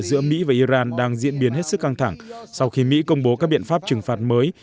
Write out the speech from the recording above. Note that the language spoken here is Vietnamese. giữa mỹ và iran đang diễn biến hết sức căng thẳng sau khi mỹ công bố các biện pháp trừng phạt mới